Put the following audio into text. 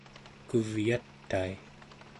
kuvyatai